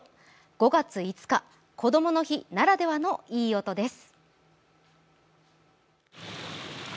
５月５日、こどもの日ならではのいい音です。